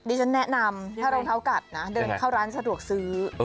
ฉันแนะนำถ้ารองเท้ากัดนะเดินเข้าร้านสะดวกซื้อ